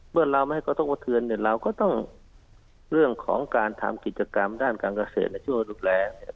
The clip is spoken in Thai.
เมื่อเราไม่ให้เขาต้องกระเทือนเนี่ยเราก็ต้องเรื่องของการทำกิจกรรมด้านการเกษตรในช่วงดูแลเนี่ย